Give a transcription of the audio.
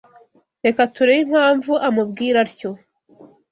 Reka turebe impamvu amubwira atyo